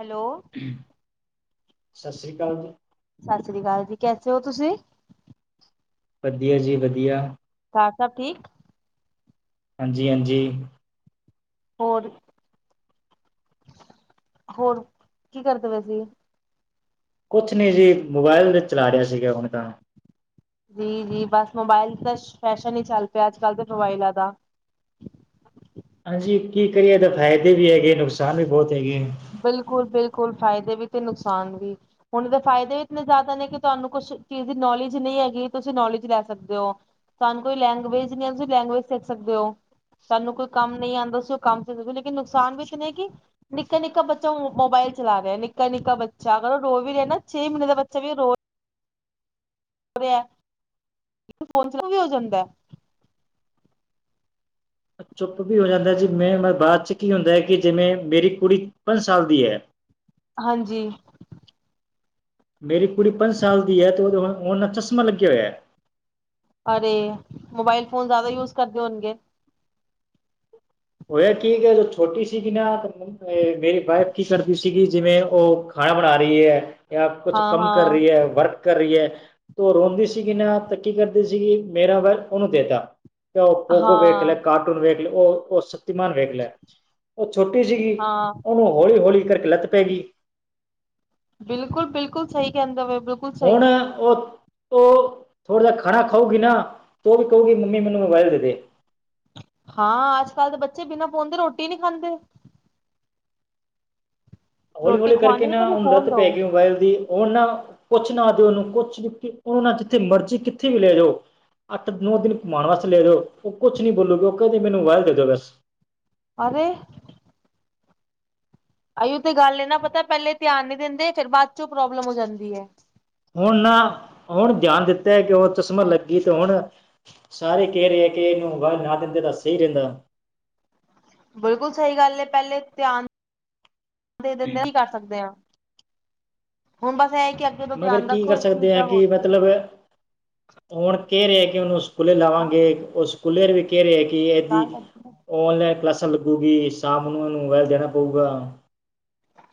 Hello ਸਤਿ ਸ੍ਰੀ ਅਕਾਲ ਜੀ। ਸਤਿ ਸ੍ਰੀ ਅਕਾਲ ਜੀ ਕੈਸੇ ਹੋ? ਤੁਸੀਂ। ਵਧੀਆ ਜੀ ਵਧੀਆ। ਘਰ ਸਭ ਠੀਕ। ਹਾਂਜੀ ਹਾਂਜੀ। ਹੋਰ। ਹੋਰ ਕੀ ਕਰਦੇ ਵੇ ਸੀ? ਕੁਛ ਨੀ ਜੀ ਮੋਬਾਇਲ ਵਿੱਚ ਚਲਾ ਰਿਹਾ ਸੀਗਾ ਹੁਣ ਤਾਂ। ਜੀ ਜੀ ਬਸ ਮੋਬਾਇਲ ਤਾਂ ਫੈਸ਼ਨ ਹੀ ਚੱਲ ਪਿਆ ਅੱਜ ਕੱਲ੍ਹ ਤਾਂ ਮੋਬਾਇਲਾਂ ਦਾ। ਹਾਂਜੀ ਕੀ ਕਰੀਏ ਇਹਦਾ ਫਾਇਦੇ ਵੀ ਹੈਗੇ, ਨੁਕਸਾਨ ਵੀ ਬਹੁਤ। ਹੈਗੇ ਬਿਲਕੁਲ ਬਿਲਕੁਲ। ਫਾਇਦੇ ਵੀ ਤੇ ਨੁਕਸਾਨ ਵੀ ਹੁਣ ਦੇ ਫਾਇਦੇ ਵੀ ਇਤਨੇ ਜ਼ਿਆਦਾ ਨੇ, ਕਿ ਤੁਹਾਨੂੰ ਕੁਛ ਚੀਜ਼ ਦੀ ਨੌਲੇਜ ਹੈ ਨਹੀਂ ਹੈਗੀ। ਤੁਸੀਂ ਨੌਲੇਜ ਲੈ ਸਕਦੇ ਹੋ, ਸਾਨੂੰ ਕੋਈ ਲੈਂਗਵੇਜ਼ ਨਹੀਂ ਆਂਦੀ ਤੁਸੀਂ ਲੈਂਗਵੇਜ ਸਿੱਖ ਸਕਦੇ ਹੋ। ਸਾਨੂੰ ਕੋਈ ਕੰਮ ਨਹੀਂ ਆਂਦਾ ਸੀ ਉਹ ਕੰਮ [unintelligible] ਲੇਕਿਨ ਨੁਕਸਾਨ ਵੀ ਇਤਨੇ ਕਿ ਨੀ ਨਿੱਕਾ ਨਿੱਕਾ ਬੱਚਾ ਮੋਬਾਈਲ ਚਲਾ ਰਿਹਾ, ਨਿੱਕਾ ਨਿੱਕਾ ਬੱਚਾ ਅਗਰ ਉਹ ਰੋ ਵੀ ਰਿਹਾ ਨਾ, ਛੇ ਮਹੀੇਨੇ ਦਾ ਬੱਚਾ ਵੀ ਰੋ ਫੋਨ ਚ ਵੀ ਹੋ ਜਾਂਦੇ। ਚੁੱਪ ਵੀ ਹੋ ਜਾਂਦਾ ਜੀ, ਮੈਂ ਬਾਅਦ ਚ ਕੀ ਹੁੰਦਾ ਹੈ ਕਿ ਜਿਵੇਂ ਮੇਰੀ ਕੁੜੀ ਪੰਜ ਸਾਲ ਦੀ ਹੈ। ਹਾਂਜੀ। ਮੇਰੀ ਕੁੜੀ ਪੰਜ ਸਾਲ ਦੀ ਹੈ ਅਤੇ ਉਹ ਉਹਨਾਂ ਚਸ਼ਮਾ ਲੱਗੇਆ ਹੋਇਆ। ਅਰੇ ਮੋਬਾਇਲ ਫੋਨ ਜ਼ਿਆਦਾ ਯੂਜ ਕਰਦੇ ਹੋਨਗੇ। ਹੋਇਆ ਕੀ ਜਦੋ ਛੋਟੀ ਸੀਗੀ ਨਾ ਮੇਰੀ ਵਾਈਫ ਕੀ ਕਰਦੀ ਸੀਗੀ ਜਿਵੇਂ ਉਹ ਖਾ ਖਾਣਾ ਬਣਾ ਰਹੀ ਏ, ਜਾਂ ਕੁਛ ਹਾਂ ਕੰਮ ਕਰ ਹਾਂ ਰਹੀ ਏ, ਵਰਕ ਕਰ ਰਹੀ ਹੈ। ਤੇ ਉਹ ਰੋਂਦੀ ਸੀਗੀ ਨਾ ਤਾਂ ਕੀ ਕਰਦੀ ਸੀਗੀ, ਮੇਰਾ ਵ ਉਹਨੂੰ ਦੇਤਾ। ਉਹ ਪੋਗੋ ਵੇਖ ਲੇ ਹਾਂ ਕਾਰਟੂਨ ਵੇਖ ਲੈ ਉਹ ਉਹ ਸ ਮਾਨ ਵੇਖ ਲੈ, ਉਹ ਛੋਟੀ ਸੀਗੀ ਹਾਂ ਉਹਨੂੰ ਹੌਲੀ ਹੌਲੀ ਕਰਕੇ ਲੱਤ ਪੈਗੀ ਬਿਲਕੁਲ-ਬਿਲਕੁਲ ਸਹੀ ਕਹਿੰਦੇ ਵ ਹੁਣ ਉਹ ਉਹ ਥੋੜ੍ਹਾ ਖਾਣਾ ਖਾਊਗੀ ਨਾ ਤੋ ਵੀ ਕਹੂਗੀ ਮੰਮੀ ਮੈਨੂੰ ਮੋਬਾਇਲ ਦੇ-ਦੇ ਹਾਂ ਅੱਜ ਕੱਲ੍ਹ ਦੇ ਬੱਚੇ ਬਿਨਾਂ ਫੋਨ ਦੇ ਰੋਟੀ ਨਹੀਂ ਖਾਂਦੇ ਹੌਲੀ ਰੋਟੀ ਹੌਲੀ ਕਰਕੇ ਖਵਾਣੀ ਤੇ ਨਾ ਪਹਿਲੇ ਹੁਨ ਫੋਨ ਲੱਤ ਪੈ ਦਓ ਗੀ ਮੋਬਾਇਲ ਦੀ ਉਹ ਨਾ ਕੁੱਛ ਨਾ ਉਹਨੂੰ ਕੁਛ ਲ ਉਹ ਨਾ ਜਿੱਥੇ ਮਰਜ਼ੀ ਕਿੱਥੇ ਵੀ ਲਿਆ ਜਾਓ ਅੱਠ ਨੌ ਦਿਨ ਘੁਮਾਣ ਵਾਸਤੇ ਲੈ ਜੋ ਉਹ ਕੁਛ ਨੀ ਬੋਲੋਗੇ ਉਹ ਕਹਿੰਦੇ ਮੈਨੂੰ ਮੋਬਾਇਲ ਦੇ ਦਿਓ ਬਸ ਅਰੇ ਆਈਓ ਤੇ ਗੱਲ ਇਹ ਨਾ ਪਤਾ ਪਹਿਲੇ ਧਿਆਨ ਨੀ ਦਿੰਦੇ ਫੇਰ ਬਾਅਦ ਚੋਂ ਪ੍ਰੋਬਲਮ ਹੋ ਜਾਂਦੀ ਹੈ। ਹੁਣ ਨਾ ਹੁਣ ਗਿਆਨ ਦਿੱਤਾ ਕਿ ਉਹ ਚਸ਼ਮਾਂ ਲੱਗੀ ਤੇ ਹੁਣ ਸਾਰੇ ਕਹਿ ਰਹੇ ਕੇ ਇਹਨੂੰ ਗੱਲ ਨਾ ਦਿੰਦੇ ਤਾਂ ਸਹੀ ਰਹਿੰਦਾ ਬਿਲਕੁਲ ਸਹੀ ਗੱਲ ਹੈ ਪਹਿਲੇ ਧਿਆਨ ਦੇ ਦਿੰਦੇ ਨਹੀਂ ਕਰ ਸਕਦੇ ਆ ਹੁਣ ਬਸ ਇਹ ਕਿ ਅੱਗੇ ਤੋਂ ਮਗਰ ਧਿਆਨ ਕੀ ਰੱਖੋ ਕਰ ਇਸ ਚੀਜ਼ ਸਕਦੇ ਹਾਂ ਦਾ ਹੋਰ ਕਿ ਮਤਲਬ ਹੁਣ ਕਹਿ ਰਿਹਾ ਕਿ ਉਹਨੂੰ ਸਕੂਲੇ ਲਾਵਾਂਗੇ ਉਹ ਸਕੂਲੇ ਵੀ ਕਹਿ ਰਹੇ ਕਿ ਕਿ ਇਹਦੀ ਕੀ ਔਨਲਾਈਨ ਕਲਾਸਾਂ ਲੱਗੂ ਗੀ ਸ਼ਾਮ ਨੂੰ ਇਹਨੂੰ ਮੋਬਾਇਲ ਦੇਣਾ ਪਊਗਾ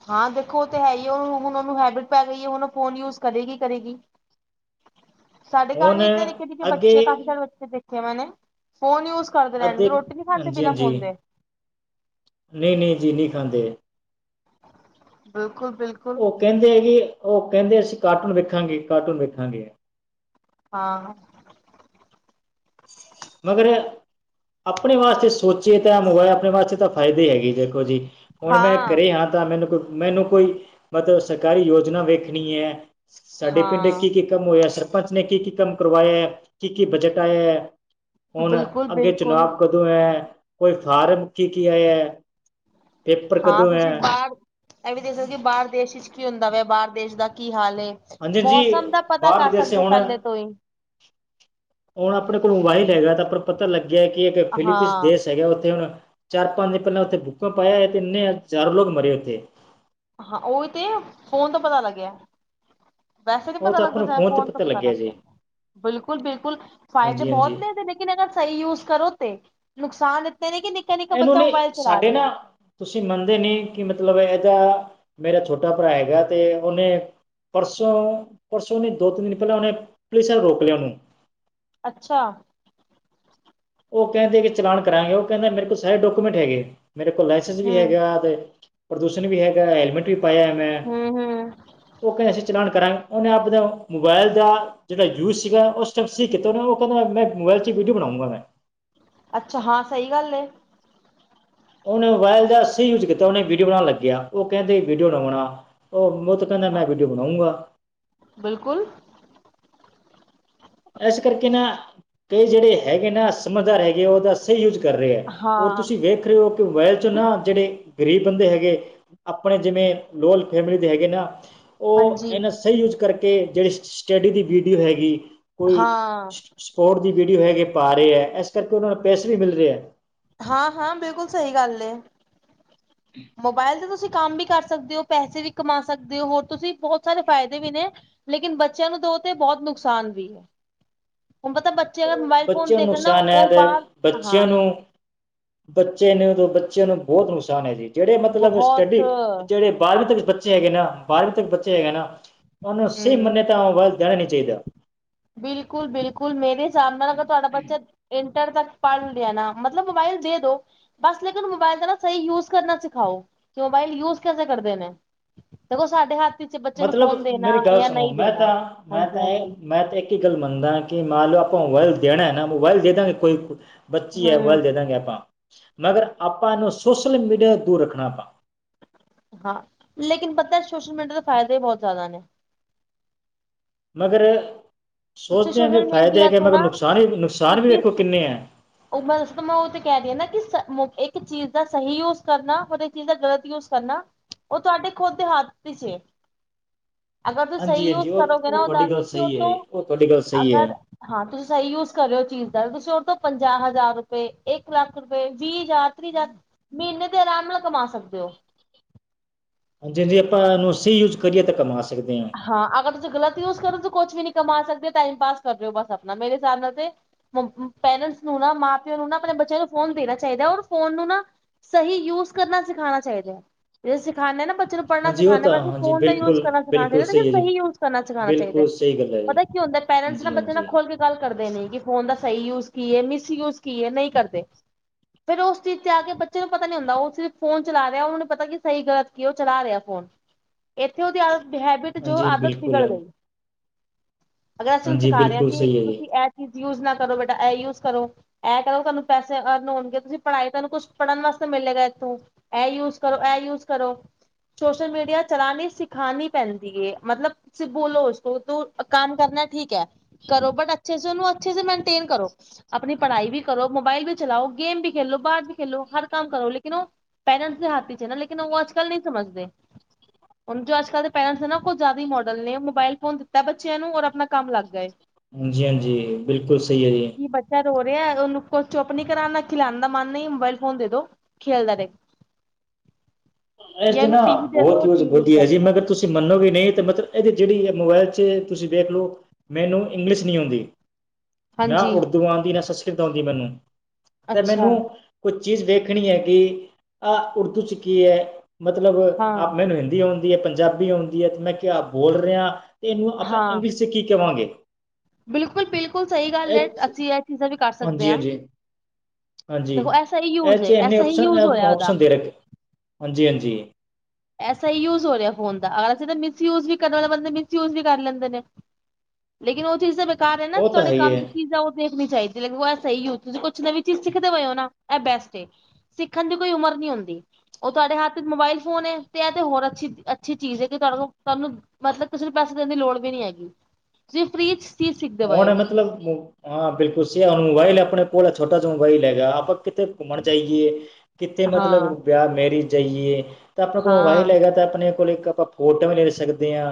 ਹਾਂ ਦੇਖੋ ਉਹ ਤੇ ਹੈ ਹੀ ਉਹੁਣ ਉਹਨੂੰ ਹੈਬਿਟ ਪੈ ਗਈ ਹੈ ਹੁਣ ਫੋਨ ਯੂਜ ਕਰੇਗੀ ਕਰੇਗੀ। ਸਾਡੇ ਘਰ ਹੁਣ ਵੀ ਇਨੇ ਨਿੱਕੇ ਨਿੱਕੇ ਬੱਚੇ ਕਾਫੀ ਅੱਗੇ ਸਾਰੇ ਬੱਚੇ ਦੇਖੇ ਮੇਨੈ ਫੋਨ ਯੂਜ ਕਰਦੇ ਰਹਿਣਗੇ ਅਤੇ ਰੋਟੀ ਨੀ ਖਾਂਦੇ ਬਿਨਾਂ ਫੋਨਦੇ ਨਹੀਂ-ਨਹੀਂ ਜੀ ਨਹੀਂ ਖਾਂਦੇ। ਬ ਉਹ ਕਹਿੰਦੇ ਹੈਗੀ ਉਹ ਕਹਿੰਦੇ ਅਸੀਂ ਕਾਰਟੂਨ ਵੇਖਾਂਗੇ ਕਾਰਟੂਨ ਵੇਖਾਂਗੇ। ਹਾਂ। ਮਗਰ ਆਪਣੇ ਵਾਸਤੇ ਸੋਚੀਏ ਤਾਂ ਮੋਬਾਈਲ ਆਪਣੇ ਵਾਸਤੇ ਤਾਂ ਫਾਇਦੇ ਹੀ ਹੈਗੇ ਦੇਖੋ ਜੀ ਹੁਣ ਮੈਂ ਘਰੇ ਹਾਂ ਤਾਂ ਮੈਨੂੰ ਕੋਈ ਮੈਨੂੰ ਕੋਈ ਮਤਲਬ ਸਰਕਾਰੀ ਯੋਜਨਾ ਵੇਖਣੀ ਐ। ਸਾਡੇ ਪਿੰਡ ਹਾਂ। ਕੀ ਕੀ ਕੰਮ ਹੋਇਆ ਸਰਪੰਚ ਨੇ ਕੀ ਕੀ ਕੰਮ ਕਰਵਾਇਆ ਐ ਕੀ-ਕੀ ਬਜਟ ਹੁਣ ਬਿਲਕੁਲ ਅੱਗੇ ਬਿਲਕੁਲ ਚੁਣਾਵ ਕਦੋਂ ਐ ਕੋਈ ਫਾਰਮ ਕੀ ਕੀ ਆਇਆ ਹੈ ਪੇਪਰ ਹਾਂ ਕਦੋਂ ਹੈ ਤੁਸੀਂ ਬਾਹਰ ਇਹ ਵੀ ਦੇਖ ਸਕਦੇ ਕਿ ਬਾਹਰ ਦੇਸ਼ ਵਿੱਚ ਕੀ ਹੁੰਦਾ ਵੈ ਬਾਹਰ ਦੇਸ਼ ਦਾ ਕੀ ਹਾਲ ਐ ਹਾਂਜੀ ਜੀ ਮੌਸਮ ਦਾ ਪਤਾ ਬਾਹਰ ਕਰ ਵਿਦੇਸ਼ ਸਕਦੇ ਹੋ ਹੁਣ ਪਹਿਲੇ ਤੋਂ ਹੀ ਹੁਣ ਆਪਣੇ ਕੋਲ ਮੋਬਾਈਲ ਹੈਗਾ ਤਾਂ ਆਪਾਂ ਨੂੰ ਪਤਾ ਲੱਗਿਆ ਕਿ ਇੱਕ ਫਿਲੀਪੀਨਸ ਹਾਂ ਦੇਸ਼ ਹੈਗਾ ਉੱਥੇ ਹੁਣ ਚਾਰ ਪੰਜ ਦਿਨ ਪਹਿਲਾਂ ਉੱਥੇ ਭੂਕੰਪ ਅਇਆ ਤੇ ਐਨੇ ਹਜ਼ਾਰਾਂ ਲੋਕ ਮਰੇ ਉੱਥੇ ਹਾਂ, ਓਹੀ ਤੇ ਫੋਨ ਤੋਂ ਪਤਾ ਲੱਗਿਆ। ਵੈਸੇ ਨੀ ਉਹ ਪਤਾ ਤਾਂ ਆਪਾਂ ਲੱਗਦਾ ਨੂੰ ਸਾਰਾ ਤੇ ਫੋਨ ਤੋਂ ਪਤਾ ਲੱਗਿਆ ਜੀ ਲੱਗਦਾ ਬਿਲਕੁਲ-ਬਿਲਕੁਲ ਫਾਇਦੇ ਹਾਂਜੀ ਬਹੁਤ ਹਾਂਜੀ ਨੇ ਇਹਦੇ ਲੇਕਿਨ [unintelligible] ਸਹੀ ਯੂਜ ਕਰੋ ਤੇ ਨੁਕਸਾਨ ਇਤਨੇ ਨੇ ਕਿ ਨਿੱਕਾ ਨਿੱਕਾ ਇਹਨੂੰ ਬੱਚਾ ਨਹੀਂ ਮੋਬਾਇਲ ਚਲਾ ਸਾਡੇ ਨਾ ਰਿਹਾ। ਤੁਸੀਂ ਮੰਨਦੇ ਨਹੀਂ ਕਿ ਮਤਲਬ ਇਹਦਾ ਮੇਰਾ ਛੋਟਾ ਭਰਾ ਹੈਗਾ ਤੇ ਉਹਨੇ ਪਰਸੋਂ-ਪਰਸੋਂ ਨਹੀਂ ਦੋ ਤਿੰਨ ਦਿਨ ਪਹਿਲਾਂ ਉਹਨੇ ਪੁਲਿਸ ਨੇ ਰੋਕ ਲਿਆ ਉਹਨੂੰ ਅੱਛਾ ਉਹ ਕਹਿੰਦੇ ਕਿ ਚਲਾਨ ਕਰਾਂਗੇ ਉਹ ਕਹਿੰਦੇ ਮੇਰੇ ਕੋਲ ਸਾਰੇ ਡਾਕੂਮੈਂਟ ਹੈਗੇ। ਮੇਰੇ ਕੋਲ ਲਾਇਸੈਂਸ ਵੀ ਹੂੰ ਹੈਗਾ ਤੇ ਪ੍ਰਦੂਸ਼ਣ ਵੀ ਹੈਗਾ ਹੈਲਮੇਟ ਵੀ ਪਾਇਆ ਮੈਂ ਹੂੰ ਹੂੰ ਉਹ ਕਹਿ ਰੇ ਅਸੀਂ ਚਲਾਨ ਕਰਾਂਗੇ ਉਹਨੇ ਆਪਣੇ ਮੋਬਾਇਲ ਦਾ ਜਿਹੜਾ ਯੂਜ ਸੀਗਾ ਉਹ ਉਸ ਸਟੈਪ ਸੀ ਕੀਤਾ ਉਹਨ ਉਹ ਕਹਿੰਦਾ ਮੈਂ ਮੋਬਾਇਲ 'ਚ ਹੀ ਵੀਡੀਓ ਬਣਾਉ [unintelligible] ਅੱਛਾ ਹਾਂ, ਸਹੀ ਗੱਲ ਐ ਉਹਨੇ ਮੋਬਾਇਲ ਦਾ ਸਹੀ ਯੂਜ ਕੀਤਾ ਉਹਨੇ ਵੀਡੀਓ ਬਣਾਣ ਲੱਗਿਆ ਉਹ ਕਹਿੰਦੇ ਵੀਡੀਓ ਨਾ ਬਣਾ ਉਹ ਵੋ ਤੋਂ ਕਹਿੰਦਾ ਹਾਂ ਮੈਂ ਵੀਡੀਓ ਬਣਾਉਂਗਾ। ਬਿਲਕੁਲ ਇਸ ਕਰਕੇ ਨਾ ਕਈ ਜਿਹੜੇ ਹੈਗੇ ਨਾ ਸਮਝਦਾਰ ਹੈਗੇ ਆ ਉਹਦਾ ਸਹੀ ਯੂਜ ਕਰ ਰਿਹਾ ਔਰ ਹਾਂ ਤੁਸੀਂ ਵੇਖ ਰਹੇ ਹੋ ਕਿ ਮੋਬਾਇਲ ਚੋ ਨਾ ਜਿਹੜੇ ਗਰੀਬ ਬੰਦੇ ਹੈਗੇ ਆਪਣੇ ਜਿਵੇਂ ਲੋਅਲ ਫੈਮਿਲੀ ਦੇ ਹੈਗੇ ਨਾ ਉਹ ਹਾਂਜੀ ਇਹਨਾਂ ਸਹੀ ਯੂਜ ਕਰਕੇ ਜਿਹੜੀ ਸਟੱਡੀ ਦੀ ਵੀਡੀਓ ਹੈਗੀ ਕੋਈ ਹਾਂ ਸਪੋਰਟ ਦੀ ਵੀਡੀਓ ਹੈਗੀ ਪਾ ਰਹੇ ਐ। ਇਸ ਕਰਕੇ ਉਹਨਾਂ ਨੂੰ ਪੈਸੇ ਵੀ ਮਿਲ ਰਹੇ ਐ। ਹਾਂ ਹਾਂ, ਬਿਲਕੁਲ ਸਹੀ ਗੱਲ ਐ ਮੋਬਾਇਲ ਤੇ ਤੁਸੀਂ ਕੰਮ ਵੀ ਕਰ ਸਕਦੇ ਹੋ, ਪੈਸੇ ਵੀ ਕਮਾ ਸਕਦੇ ਹੋ। ਹੋਰ ਤੁਸੀਂ ਬਹੁਤ ਸਾਰੇ ਫਾਇਦੇ ਵੀ ਨੇ ਲੇਕਿਨ ਬੱਚਿਆਂ ਨੂੰ ਦੋ ਤੇ ਬਹੁਤ ਨੁਕਸਾਨ ਵੀ ਐ। ਹੁਣ ਪਤਾ ਬੱਚੇ ਅਗਰ ਮੋਬਾਇਲ ਫੋਨ ਬੱਚਿਆਂ ਨੂੰ ਦੇਖ ਨਾ ਨੁਕਸਾਨ ਹੈ ਉਹ ਤੇ ਬਾਹਰ ਹਾਂ। ਬੱਚਿਆਂ ਨੂੰ ਬੱਚੇ ਨੂੰ ਬੱਚਿਆਂ ਨੂੰ ਬਹੁਤ ਨੁਕਸਾਨ ਐ ਜੀ ਜਿਹੜੇ ਮਤਲਬ ਬਹੁਤ ਸਟੱਡੀ ਜਿਹੜੇ ਬਾਰਵੀਂ ਤੱਕ ਬੱਚੇ ਹੈਗੇ ਨਾ ਬਾਰਵੀਂ ਤੱਕ ਬੱਚੇ ਹੈਗੇ ਨਾ ਉਹਨੂੰ ਸਹੀ ਮੰਨਾ ਤਾ ਮੋਬਾਈਲ ਦੇਣਾ ਨਹੀਂ ਚਾਹੀਦਾ। ਬਿਲਕੁਲ-ਬਿਲਕੁਲ ਮੇਰੇ ਹਿਸਾਬ ਨਾਲ ਅਗਰ ਤੁਹਾਡਾ ਬੱਚਾ [unintelligible] ਤ ਪੜ੍ਹ ਲਿਆ ਨਾ ਮਤਲਬ ਮੋਬਾਇਲ ਦੇ ਦੋ ਬਸ ਲੇਕਿਨ ਮੋਬਾਇਲ ਦਾ ਨਾ ਸਹੀ ਯੂਜ ਕਰਨਾ ਸਿਖਾਓ। ਕਿ ਮੋਬਾਇਲ ਯੂਜ ਕੈਸੇ ਕਰਦੇ ਨੇ ਦੇਖੋ ਸਾਡੇ ਹੱਥ ਵਿੱਚ ਬੱਚੇ ਨੂੰ ਮਤਲਬ ਫੋਨ ਮੇਰੀ ਦੇਣਾ ਗੱਲ ਜਾਂ ਸੁਣੋ ਨਹੀਂ ਮੈਂ ਤਾਂ ਦੇਣਾ ਮੈਂ ਹਾਂਜੀ ਤਾਂ ਇਹ ਹਾਂਜੀ ਮੈਂ ਤਾਂ ਇੱਕ ਗੱਲ ਮੰਨਦਾ ਕਿ ਮੰਨ ਲਓ ਆਪਾਂ ਮੋਬਾਇਲ ਦੇਣਾ ਨਾ ਮੋਬਾਈਲ ਦੇ ਦਾਂਗੇ ਕੋਈ ਬੱਚੀ ਹੂੰ ਆ ਮੋਬਾਇਲ ਦੇ ਦਾਂਗੇ ਆਪਾਂ ਮਗਰ ਆਪਾਂ ਇਹਨੂੰ ਸੋਸ਼ਲ ਮੀਡੀਆ ਤੋਂ ਦੂਰ ਰੱਖਣਾ ਆਪਾਂ ਹਾਂ, ਲੇਕਿਨ ਪਤਾ ਸੋਸ਼ਲ ਮੀਡੀਆ ਦੇ ਫਾਇਦੇ ਵੀ ਬਹੁਤ ਜ਼ਿਆਦਾ ਨੇ। ਮਗਰ ਤੁਸੀਂ ਸੋਚਦੇ ਆ ਕਿ ਸੋਸ਼ਲ ਫਾਇਦੇ ਮੀਡੀਆ ਹੈਗੇ ਤੋਂ ਮਗਰ ਨਾ ਨੁਕਸਾਨ ਵੀ ਨੁਕਸਾਨ ਵੀ ਵੇਖੋ ਤੁਸੀਂ ਕਿੰਨੇ ਐ। ਉਹ ਮੈਂ ਦੱਸ ਮੈਂ ਉਹ ਤੇ ਕਹਿ ਰਹੀ ਆ ਨਾ ਕਿ ਇੱਕ ਚੀਜ਼ ਦਾ ਸਹੀ ਯੂਜ ਕਰਨਾ ਔਰ ਇੱਕ ਚੀਜ਼ ਦਾ ਗ਼ਲਤ ਯੂਜ ਕਰਨਾ। ਉਹ ਤੁਹਾਡੇ ਖੁਦ ਦੇ ਹੱਥ ਵਿੱਚ ਐ। ਅਗਰ ਤੁਸੀਂ ਹਾਂਜੀ ਸਹੀ ਹਾਂਜੀ ਯੂਜ ਉਹ ਕਰੋਗੇ ਨਾ ਉਹ ਉਹਦਾ ਤੁਹਾਡੀ ਗੱਲ ਤੁਸੀਂ ਓ ਸਹੀ ਹੈ ਤੋਂ ਜੀ ਉਹ ਤੁਹਾਡੀ ਗੱਲ ਸਹੀ ਹੈ ਅਗਰ ਹਾਂ ਤੁਸੀਂ ਸਹੀ ਯੂਜ ਕਰ ਰੇ ਓ ਚੀਜ਼ ਦਾ ਔਸ ਤੋਂ ਪੰਜਾਹ ਹਜ਼ਾਰ ਰੁਪਏ, ਇੱਕ ਲੱਖ ਰੁਪਏ, ਵੀਹ ਹਜ਼ਾਰ, ਤੀਹ ਹਜ਼ਾਰ ਮਹੀਨੇ ਦੇ ਆਰਾਮ ਲਗਾ ਕਮਾ ਸਕਦੇ ਹੋ। ਹਾਂਜੀ, ਹਾਂਜੀ ਆਪਾਂ ਇਹਨੂੰ ਸਹੀ ਯੂਜ ਕਰੀਏ ਤਾਂ ਕਮਾ ਹਾਂ ਅਗਰ ਤੁਸੀਂ ਗਲਤ ਯੂਜ ਕਰੋ। ਕੁਛ ਵੀ ਨੀ ਕਮਾ ਸਕਦੇ ਟਾਈਮ ਪਾਸ ਕਰ ਰਹੇ ਹੋ। ਬਸ ਆਪਣਾ ਮੇਰੇ ਹਿਸਾਬ ਨਾਲ ਤੇ ਪੇਰੈਂਟਸ ਨੂੰ ਨਾ ਮਾਂ ਪਿਓ ਆਪਣੇ ਬੱਚਿਆਂ ਨੂੰ ਫੋਨ ਦੇਣਾ ਚਾਹੀਦਾ ਔਰ ਫੋਨ ਨੂੰ ਨਾ ਸਹੀ ਯੂਜ ਕਰਨਾ ਸਿਖਾਉਣਾ ਚਾਹੀਦਾ ਹੈ। ਜ ਸਿਖਾਂਦੇ ਨਾ ਬੱਚੇ ਨੂੰ ਪੜ੍ਹਨਾ ਹਾਂਜੀ ਉਹ ਸਿਖਾਂਦੇ ਤਾਂ ਅਸੀ ਹਾਂਜੀ ਫੋਨ ਦਾ ਯੂਜ ਬਿਲਕੁਲ ਕਰਨਾ ਸਹੀ ਬਿਲਕੁਲ ਸਹੀ ਹੈ ਜੀ ਯੂਜ ਕਰਨਾ ਸਿਖਾਉਣ ਚਾਹੀਦਾ ਬਿਲਕੁਲ ਸਹੀ ਗੱਲ ਹੈ ਜੀ ਪਤਾ ਕੀ ਹੁੰਦਾ ਪੇਰੈਂਟਸ ਹਾਂਜੀ ਬੱਚੇ ਨਾਲ ਹਾਂਜੀ ਖੁਲ ਕੇ ਗੱਲ ਕਰਦੇ ਨੇ ਕਿ ਫੋਨ ਫੋਨ ਦਾ ਸਹੀ ਯੂਜ ਕੀਏ ਮਿਸ ਯੂਜ ਕੀਏ ਨਹੀਂ ਕਰਦੇ ਫਿਰ ਉਸ ਚੀਜ਼ ਤੇ ਆ ਕੇ ਬੱਚੇ ਨੂੰ ਪਤਾ ਨੀ ਹੁੰਦਾ ਉਹ ਸਿਰਫ ਫੋਨ ਚਲਾ ਰਿਹਾ ਉਹਨੂੰ ਪਤਾ ਕਿ ਸਹੀ ਗਲਤ ਕੀ ਉਹ ਚਲਾ ਰਿਹਾ ਫੋਨ ਇੱਥੇ ਉਹਦੀ ਹੈਬਿਟ ਜੋ ਹਾਂਜੀ ਆਦਤ ਬਿਲਕੁਲ ਬਿਗੜ ਗਈ ਅਗਰ ਅਸੀਂ ਹੁਣ ਹਾਂਜੀ ਸਿਖਾ ਰਹੇ ਹਾਂ ਬਿਲਕੁਲ ਕਿ ਸਹੀ ਹੈ ਜੀ ਤੁਸੀਂ ਇਹ ਚੀਜ਼ ਯੂਜ ਨਾ ਕਰੋ ਬੇਟਾ ਇਹ ਯੂਜ ਕਰੋ ਇਹ ਕਰੋ ਤੁਹਾਨੂੰ ਪੈਸੇ ਅਰਨ ਹੋਣਗੇ ਤੁਸੀਂ ਪੜ੍ਹਾਈ ਤੁਹਾਨੂੰ ਕੁਛ ਪੜ੍ਹਨ ਵਾਸਤੇ ਲੈ ਗਏ ਤੂੰ ਇਹ ਯੂਜ ਕਰੋ ਐ ਯੂਜ਼ ਕਰੋ ਸੋਸ਼ਲ ਮੀਡੀਆ ਚਲਾਨੀ ਸਿਖਾਣੀ ਪੈਂਦੀ ਹੈ ਮਤਲਬ ਤੁਸੀਂ ਬੋਲੋ ਉਸ ਤੂੰ ਕੰਮ ਕਰਨਾ ਠੀਕ ਹੈ ਕਰੋ ਬਟ ਅੱਛੇ ਸ ਉਹਨੂੰ ਅੱਛੇ ਸੇ‌ ਮਨਟੇਨ ਕਰੋ ਆਪਣੀ ਪੜ੍ਹਾਈ ਵੀ ਕਰੋ, ਮੋਬਾਈਲ ਵੀ ਚਲਾਓ, ਗੇਮ ਵੀ ਖੇਲੋ, ਬਾਹਰ ਵੀ ਖੇਲੋ, ਹਰ ਕੰਮ ਕਰੋ ਲੇਕਨ ਉਹ ਪੇਰੈਂਟਸ ਦੇ ਹੱਥ ਚ' ਹੈ ਨਾ ਲੇਕਿਨ ਅੱਜ ਕੱਲ ਨਹੀਂ ਸਮਝਦੇ ਜੋ ਅੱਜ ਕੱਲ ਦੇ ਪੇਰੈਂਟਸ ਨਾ ਉਹ ਜ਼ਿਆਦਾ ਹੀ ਮੋਡਲ ਨੇ ਮੋਬਾਇਲ ਫੋਨ ਦਿੱਤਾ ਬੱਚਿਆਂ ਨੂੰ ਔਰ ਆਪਣਾ ਕੰਮ ਲੱਗ ਗਏ। ਹਾਂਜੀ, ਹਾਂਜੀ ਬਿਲਕੁਲ ਸਹੀ ਹੈ ਜੀ ਕਿ ਬੱਚਾ ਰੋ ਉਹਨੂੰ ਕੋਈ ਚੁੱਪ ਨੀ ਕਰਾਉਨਾ, ਖਿਲਉਣ ਦਾ ਮਨ ਨਹੀਂ ਮੋਬਾਇਲ ਫੋਨ ਦੇ ਦੋ ਖੇਲਦਾ ਰਹਿ [unintelligible] ਇਸਦੇ ਨਾ ਬਹੁਤ ਹੀ ਹੋਜ ਬੀ ਹੈ ਜੀ ਰਹੇਗਾ ਮਗਰ ਤੁਸੀਂ ਮੰਨੋਗੇ ਨਹੀਂ, ਤਾਂ ਮਤਲਬ ਇਹਦੀ ਜਿਹੜੀ ਐ ਮੋਬਾਇਲ 'ਚ ਤੁਸੀਂ ਦੇਖ ਲਓ ਮੈਨੂੰ ਇੰਗਲਿਸ਼ ਨਹੀਂ ਆਉਂਦੀ। ਨਾ ਹਾਂਜੀ ਉਰਦੂ ਆਉਂਦੀ ਨਾ ਸੰਸਕ੍ਰਿਤ ਆਉਂਦੀ ਮੈਨੂੰ ਤੇ ਅੱਛਾ ਮੈਨੂੰ ਕੁਛ ਚੀਜ਼ ਵੇਖਣੀ ਹੈ ਕਿ ਆਹ ਉਰਦੂ ਚ ਕੀ ਹੈ ਮਤਲਬ ਹਾਂ ਆਪ ਮੈਨੂੰ ਹਿੰਦੀ ਆ ਪੰਜਾਬੀ ਆਉਂਦੀ ਹੈ ਤੇ ਮੈਂ ਕਿਹਾ ਬੋਲ ਰਿਹਾ ਤੇ ਇਹਨੂੰ ਆਪਾਂ ਇੰਗਲਿਸ਼ ਚ ਕੀ ਕਹਾਂਗੇ ਬਿਲਕੁਲ-ਬਿਲਕੁਲ ਸਹੀ ਗੱਲ ਹੈ ਐਚ ਅਸੀਂ ਇਹ ਚੀਜ਼ਾਂ ਵੀ ਕਰ ਸਕਦੇ ਹਾਂਜੀ ਹਾਂ ਹਾਂਜੀ ਹਾਂਜੀ ਦੇਖੋ ਐਸਾ ਹੀ ਇਹ ਯੂਜ ਚ ਹੈ ਇੰਨੇ ਐਸਾ ਹੀ ਯੂਜ ਹੋਇਆ ਉਹਦਾ ਆਪਸ਼ਨ-ਆਪਸ਼ਨ ਦੇ ਰੱਖ ਹਾਂਜੀ-ਹਾਂਜੀ [inaudible] ਐਸਾ ਹੀ ਯੂਜ ਹੋ ਰਿਹਾ ਫੋਨ ਦਾ ਅਗਰ ਅਸੀ ਮਿਸਯੂਜ ਵੀ ਕਰਨ ਵਾਲੇ ਬੰਦੇ ਮਿਸਯੂਜ ਵੀ ਕਰ ਲੈਂਦੇ ਨੇ ਲੇਕਿਨ ਉਹ ਚੀਜ਼ ਘਰ ਹੈ ਨਾ ਉਹ ਤਾਂ ਤੁਹਾਡੇ ਹੀ ਕੰਮ ਦੀ ਹੈ ਚੀਜ਼ ਉਹ ਦੇਖਣੀ ਚਾਹੀਦੀ ਹੈ ਸਹੀ ਹੋ ਤੁਸੀਂ ਕੁਛ ਨਵੀਂ ਚੀਜ਼ ਸਿੱਖਦੇ ਹੋ ਨਾ ਇਹ ਬੈਸਟ ਸਿੱਖਣ ਦੀ ਕੋਈ ਉਮਰ ਨੀ ਹੁੰਦੀ ਉਹ ਤੁਹਾਡੇ ਹੱਥ ਮੋਬਾਇਲ ਫੋਨ ਤੇ ਇਹ ਤੇ ਹੋਰ ਅੱਛੀ-ਅੱਛੀ ਚੀਜ਼ ਹੈ ਕਿ ਤੁ ਤੁਹਾਨੂੰ ਮਤਲਬ ਕਿਸੇ ਨੂੰ ਪੈਸੇ ਦੇਣ ਦੀ ਲੋੜ ਵੀ ਨਹੀ ਹੈਗੀ ਜੀ ਫਰਿਜ਼ ਹੁਣ ਮਤਲਬ ਹਾਂ ਬਿਲਕੁਲ ਸ ਹੁਣ ਮੋਬਾਈਲ ਆਪਣੇ ਕੋਲ ਛੋਟਾ ਜਿਹਾ ਮੋਬਾਈਲ ਹੈਗਾ ਆਪਾਂ ਕਿੱਥ ਘੁੰਮਣ ਜਾਈਏ ਕਿੱਥੇ ਮਤਲਬ ਹਾਂ ਵਿਆਹ ਮੈਰਿਜ ਜਾਈਏ ਤਾਂ ਆਪਣੇ ਕੋਲ ਮੋਬਾਈਲ ਹਾਂ ਹੈਗਾ ਤਾਂ ਆਪਣੇ ਕੋਲ ਇੱਕ ਆਪਾਂ ਫੋਟੋ ਵੀ ਲੈ ਸਕਦੇ ਹਾਂ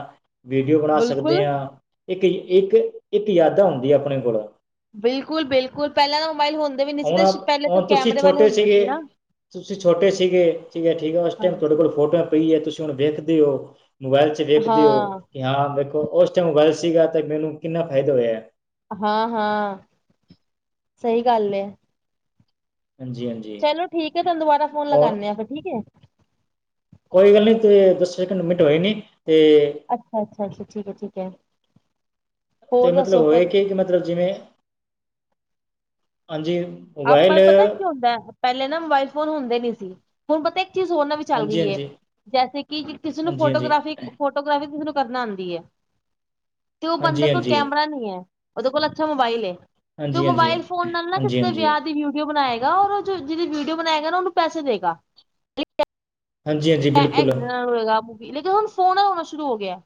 ਵੀਡੀਓ ਬਣਾ ਬਿਲਕੁਲ ਸਕਦੇ ਹਾਂ ਇੱਕ-ਇੱਕ ਇੱਕ ਯਾਦਾਂ ਹੁੰਦੀ ਆਪਣੇ ਕੋਲ ਬਿਲਕੁਲ-ਬਿਲਕੁਲ ਪਹਿਲਾਂ ਮੋਬਾਈਲ ਹੁੰਦੇ ਵੀ ਨਹੀਂ ਸੀ ਹੁਣ ਤੇ ਆਪ- ਪਹਿਲੇ ਤੋਂ ਹੁਣ ਤੁਸੀਂ ਕੈਮਰੇ ਵਾਲੇ ਛੋਟੇ ਹੁੰਦੇ ਸੀਗੇ ਸੀ ਨਾ ਤੁਸੀਂ ਛੋਟੇ ਸੀਗੇ ਠੀਕ-ਠੀਕ ਉਸ ਟਾਈਮ ਤੁਹਾਡੇ ਹਾਂਜੀ ਕੋਲ ਫੋਟੋਆਂ ਪਈ ਹੈ ਤੁਸੀਂ ਹੂਣ ਵੇਖਦੇ ਹੋ ਮੋਬਾਇਲ ਚ ਵੇਖਦੇ ਹੋ ਹਾਂ ਕਿ ਹਾਂ ਮੈਂ ਉਸ ਟਾਈਮ ਮੋਬਾਈਲ ਸੀਗਾ ਤੇ ਮੈਨੂੰ ਕਿੰਨਾ ਫਾਇਦਾ ਹੋਇਆ ਹਾਂ-ਹਾਂ ਸਹੀ ਗੱਲ ਹੈ ਹਾਂਜੀ ਹਾਂਜੀ ਚਲੋ ਠੀਕ ਹੈ ਤੁਹਾਨੂੰ ਦੁਬਾਰਾ ਫੋਨ ਔਰ ਲਗਾਂਦੇ ਹਾਂ ਫਿਰ ਠੀਕ ਹੈ ਕੋਈ ਗੱਲ ਨਹੀ ਤੂੰ ਦੱਸ ਸੈਕਿੰਡ ਮਿੰਟ ਹੋਏ ਨੀ ਅੱਛਾ-ਅੱਛਾ ਅੱਛਾ ਠੀਕ ਹੈ-ਠੀਕ ਹੈ ਤੇ ਹੋਰ ਮਤਲਬ ਦੱਸੋ ਫਿਰ ਹੋਏ ਕਿ-ਕਿ ਮਤਲਬ ਜਿਵੇਂ ਹਾਂਜੀ ਮੋਬਾਈਲ ਆਪਾਂ ਪਤਾ ਕੀ ਹੁੰਦਾ ਪਹਿਲੇ ਨਾ ਮੋਬਾਇਲ ਫੋਨ ਹੁੰਦੇ ਨੀ ਸੀ ਹੁਣ ਪਤਾ ਚੀਜ਼ ਹੋਰਨਾਂ ਵੀ ਚੱਲ ਹਾਂਜੀ ਗਈਏ ਹਾਂਜੀ ਜੈਸੇ ਕਿ ਕਿਸੇ ਨੂੰ ਹਾਂਜੀ ਹਾਂਜੀ ਫੋਟੋਗ੍ਰਾਫੀ-ਫੋਟੋਗ੍ਰਾਫੀ ਤੁ ਕਰਨਾ ਆਉਂਦੀ ਹੈ ਤੇ ਉਹ ਬੰਦੇ ਹਾਂਜੀ ਕੋਲ ਹਾਂਜੀ ਕੈਮਰਾ ਨਹੀ ਹੈ ਉਹਦੇ ਕੋਲ ਅੱਛਾ ਮੋਬਾਈਲ ਹੈ ਤੂੰ ਹਾਂਜੀ ਹਾਂਜੀ ਹਾਂਜੀ ਮੋਬਾਈਲ ਫੋਨ ਨਾਲ ਨਾ ਹਾਂਜੀ ਵਿਆਹ ਦੀ ਵੀਡੀਓ ਬਣਾਏਗਾ, ਔਰ ਜਿਹੜੀ ਵੀਡੀਓ ਬਣਾਏਗਾ ਨਾ ਉਹਨੂੰ ਪੈਸੇ ਦੇਗਾ ਹਾਂਜੀ ਹਾਂਜੀ ਬਿਲਕੁਲ ਹੋਏਗਾ ਮੂਵੀ ਲੇਕਿਨ ਹੁਣ ਫੋਨ ਨਾਲ ਹੋਣਾ ਸ਼ੁਰੂ ਹੋ ਗਿਆ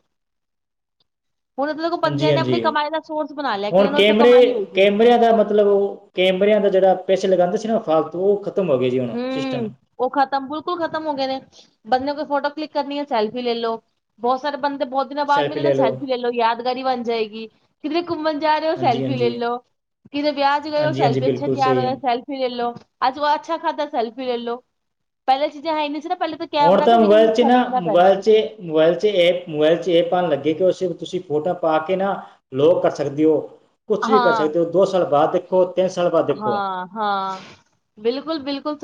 ਹੁਣ ਇਹਦੇ ਕੋਲ ਬੰਦਿਆਂ ਨੇ ਹਾਂਜੀ-ਹਾਂਜੀ ਆਪਣੀ ਕਮਾਈ ਦਾ ਸੋਰਸ ਬਣਾ ਲਿਆ ਕਿ ਹੁਣ ਇਹਨਾਂ ਨੂੰ ਉੱਥੋਂ ਕਮਾਈ ਕੈਮਰੇ, ਹੋਏਗੀ ਕੈਮਰਿਆਂ ਦਾ ਮਤਲਬ ਉਹ ਕੈਮਰੇ ਦਾ ਜਿਹੜਾ ਪੈਸੇ ਲਗਾਉਂਦੇ ਸੀ ਨਾ ਫਾਲਤੂ ਖਤਮ ਹੋ ਗਏ ਜੀ ਹੁਣ ਹੂ ਸਿਸਟਮ ਔ ਖ਼ਤਮ, ਬਿਲਕੁਲ ਖ਼ਤਮ ਹੋ ਗਏ ਨੇ ਬੰਦੇੇ ਕੇ ਫੋਟੋ ਕਲਿੱਕ ਕਰਨੀ ਐ, ਸੈਲਫੀ ਲੈ ਲੋ, ਬਹੁਤ ਸਾਰੇ ਬੰਦੇ ਬਹੁਤ ਦਿਨਾਂ ਬਾਅਦ ਮੇਰੇ ਨਾ ਸੈਲਫੀ ਲੈ ਲੋ, ਯਾਦਗਾਰੀ ਬਣ ਜਾਏਗੀ, ਕਿਧਰੇ ਘੁੰਮਣ ਜਾ ਰਹੇ ਹੋ, ਹਾਂਜੀ ਸੈਲਫੀ ਲੈ ਹਾਂਜੀ ਲੋ ਕਿਤੇ ਵਿਆਹ ਚ ਗਏ ਹੋ ਹਾਂਜੀ ਹਾਂਜੀ ਸੈਲਫੀ, ਅੱਛੇ ਬਿਲਕੁਲ ਤਿਆਰ ਹੋਇਆ ਸਹੀ ਸੈਲਫੀ ਲੈ ਲੋ ਅੱਜ ਉਹ ਅੱਛਾ ਖਾਧਾ ਸੈਲਫੀ ਲੈ ਲੋ, ਪਹਿਲਾਂ ਚੀਜ਼ਾਂ ਹੈ ਨਹੀਂ ਸੀ ਨਾ ਪਹਿਲੇ ਹੁਣ ਕੈਮਰਾ ਤਾਂ ਕਿਸੇ ਨੂੰ ਮੋਬਾਇਲ ਚ ਨਾ ਖਰੀਦਣਾ ਪੈਂਦਾ ਮੋਬਾਇਲ ਸੀ। ਚ-ਮੋਬਾਇਲ ਚ ਐਪ ਮੋਬਾਇਲ ਚ ਅੱਪਾ ਲੱਗੇ, ਕਿ ਉਸੇ ਤੁਸੀਂ ਫੋਟੋ ਪਾ ਕੇ ਨਾ, ਲੋਕ ਕਰ ਸਕਦੇ ਹੋ, ਕੁਛ ਵੀ ਕਰ ਸਕਦੇ ਹੋ, ਦੋ ਸਾਲ ਬਾਅਦ ਦੇਖੋ ਸਾਲ ਬਾਅਦ ਦੇਖੋ ਹਾਂ-ਹਾਂ ਬਿਲਕੁਲ-ਬਿਲਕੁਲ